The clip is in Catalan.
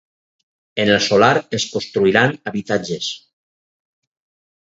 En el solar es construiran habitatges.